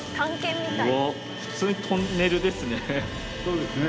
うわ普通にトンネルですね。